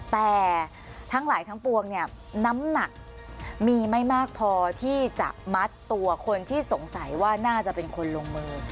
แต่ทั้งหลายทั้งปวงเนี่ยน้ำหนักมีไม่มากพอที่จะมัดตัวคนที่สงสัยว่าน่าจะเป็นคนลงมือ